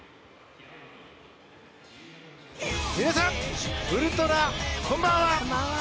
皆さん、ウルトラこんばんは。